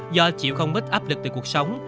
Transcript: do chịu không bích áp lực từ cuộc sống